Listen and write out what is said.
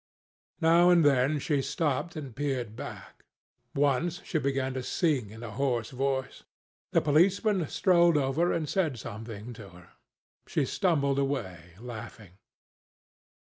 Now and then she stopped and peered back. Once, she began to sing in a hoarse voice. The policeman strolled over and said something to her. She stumbled away, laughing.